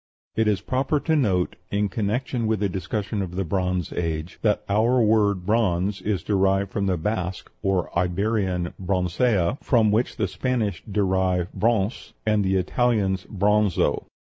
It is proper to note, in connection with a discussion of the Bronze Age, that our word bronze is derived from the Basque, or Iberian broncea, from which the Spanish derive bronce, and the Italians bronzo.